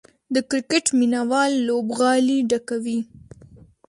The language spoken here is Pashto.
د کرکټ مینه وال لوبغالي ډکوي.